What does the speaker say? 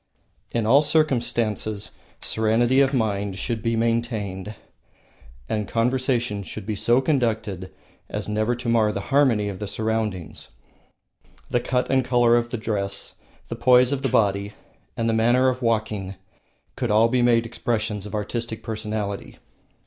In all circumstances serenity of mind should be maintained, and conversation should be conducted as never to mar the harmony of the surroundings. The cut and color of the dress, the poise of the body, and the manner of walking could all be made expressions of artistic personality.